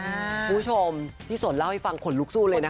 คุณผู้ชมพี่สนเล่าให้ฟังขนลุกสู้เลยนะคะ